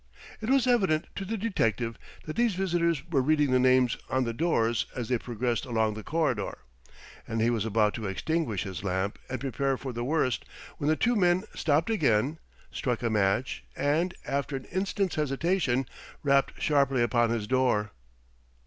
It was evident to the detective that these visitors were reading the names on the doors as they progressed along the corridor, and he was about to extinguish his lamp and prepare for the worst, when the two men stopped again, struck a match, and, after an instant's hesitation, rapped sharply upon his door.